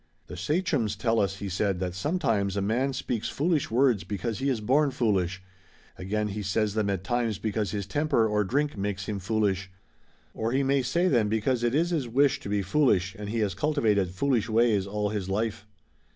"The sachems tell us," he said, "that sometimes a man speaks foolish words because he is born foolish, again he says them at times because his temper or drink makes him foolish, or he may say them because it is his wish to be foolish and he has cultivated foolish ways all his life.